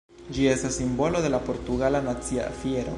Ĝi estas simbolo de la portugala nacia fiero.